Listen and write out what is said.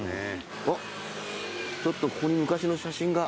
ちょっとここに昔の写真が。